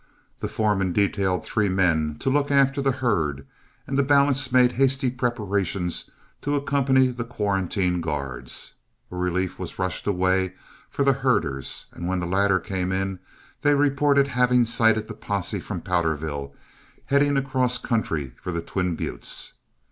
The foreman detailed three men to look after the herd, and the balance made hasty preparations to accompany the quarantine guards. A relief was rushed away for the herders; and when the latter came in, they reported having sighted the posse from Powderville, heading across country for the twin buttes.